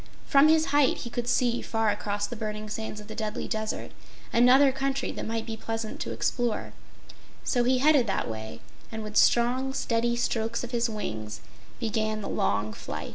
From his height, he could see, far across the burning sands of the Deadly Desert, another country that might be pleasant to explore, so he headed that way, and with strong, steady strokes of his wings, began the long flight.